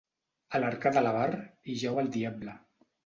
A l'arca de l'avar hi jau el diable.